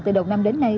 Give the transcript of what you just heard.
từ đầu năm đến nay